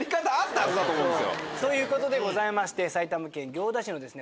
そういう事でございまして埼玉県行田市のですね